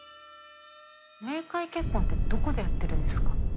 冥界結婚ってどこでやってるんですか？